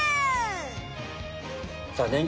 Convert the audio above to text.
さあねん